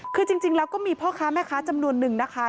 คือจริงแล้วก็มีพ่อค้าแม่ค้าจำนวนนึงนะคะ